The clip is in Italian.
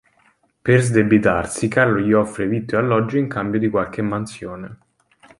Per sdebitarsi, Carlo gli offre vitto e alloggio in cambio di qualche mansione.